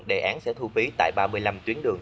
đề án sẽ thu phí tại ba mươi năm tuyến đường